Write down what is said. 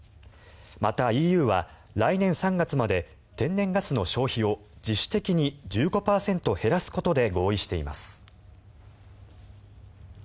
また、ＥＵは来年３月まで天然ガスの消費を自主的に１５％減らすことで合意しています。